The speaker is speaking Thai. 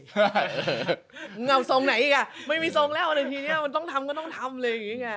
มึงเอาทรงไหนอีกอ่ะไม่มีทรงแล้วอันทีนี้มันต้องทำก็ต้องทำเลย